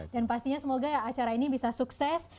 dan pastinya semoga acara ini bisa sukses